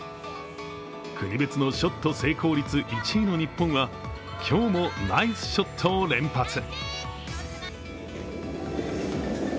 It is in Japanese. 国別のショット成功率１位の日本は今日もナイスショットを連発。